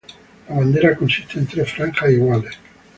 La bandera consiste en tres franjas iguales.